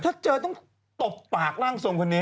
ถ้าเจอต้องตบปากร่างทรงคนนี้